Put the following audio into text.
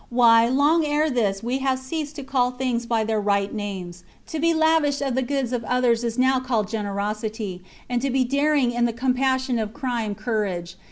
Why, long ere this we have ceased to call things by their right names. To be lavish of the goods of others is nov/ called generosity, and to be daring in the com mission of crime courage.